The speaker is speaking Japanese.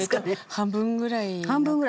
半分ぐらい？